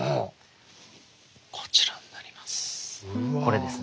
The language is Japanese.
こちらになります。